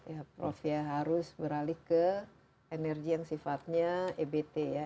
ya prof ya harus beralih ke energi yang sifatnya ebt ya